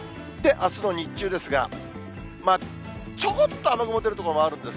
あすの日中ですが、ちょこっと雨雲出る所もあるんです。